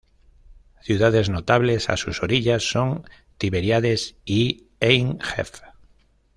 Ciudades notables a sus orillas son Tiberíades y Ein Gev.